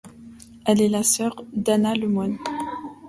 Elle est la sœur d'Anna Le Moine.